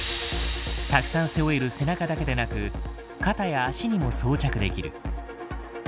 たくさん背負える背中だけでなく肩や足にも装着できる。